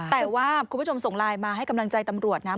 แต่ว่าคุณผู้ชมส่งไลน์มาให้กำลังใจตำรวจนะ